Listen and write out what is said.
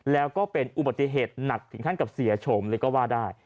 แล้วก็เป็นอุบัติเหตุหนักถึงขั้นกับเสียโฉมเลยก็ว่าได้